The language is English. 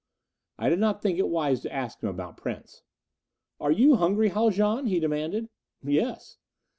I did not think it wise to ask him about Prince. "Are you hungry, Haljan?" he demanded. "Yes."